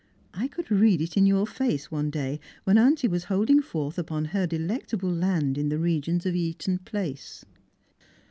I could read it in your face one day when auntie was holding forth upon her delectable land in the regions of Eaton place."